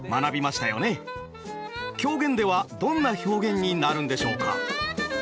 狂言ではどんな表現になるんでしょうか？